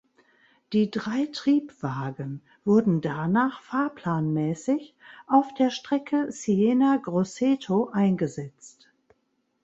Die drei Triebwagen wurden danach fahrplanmäßig auf der Strecke Siena–Grosseto eingesetzt.